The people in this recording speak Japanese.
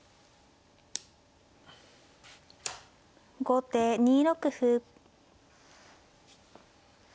後手２六歩。